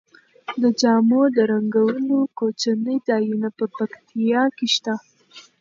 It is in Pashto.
د جامو د رنګولو کوچني ځایونه په پکتیا کې شته.